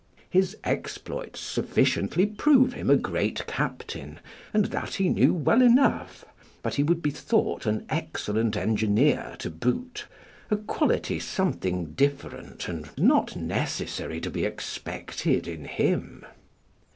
His exploits sufficiently prove him a great captain, and that he knew well enough; but he would be thought an excellent engineer to boot; a quality something different, and not necessary to be expected in him.